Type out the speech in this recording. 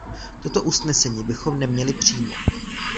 Toto usnesení bychom neměli přijmout.